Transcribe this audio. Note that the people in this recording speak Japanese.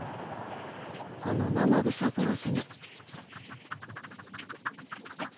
この生臭坊主に。